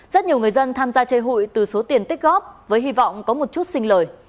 rất nhiều người dân tham gia chơi hụi từ số tiền tích góp với hy vọng có một chút xin lời